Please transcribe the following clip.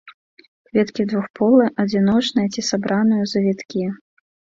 Кветкі двухполыя, адзіночныя ці сабраныя ў завіткі.